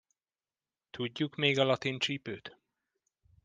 Tudjuk még a latin csípőt?